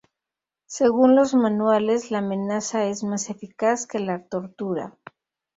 Según los manuales, la amenaza es más eficaz que la tortura.